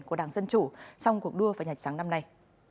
của đảng dân chủ trong cuộc đua vào nhạch sáng năm nay